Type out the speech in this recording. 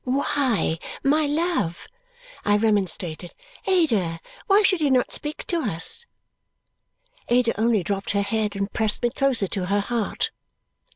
"Why, my love!" I remonstrated. "Ada, why should you not speak to us!" Ada only dropped her head and pressed me closer to her heart.